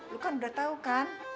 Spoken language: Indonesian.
lu kan udah tahu kan